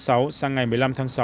sang ngày một mươi năm tháng sáu